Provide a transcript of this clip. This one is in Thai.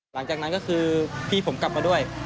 หลังจากนั้นก็คือพี่ผมกลับมาด้วย